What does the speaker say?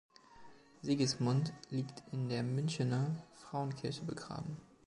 Sigismund liegt in der Münchener Frauenkirche begraben.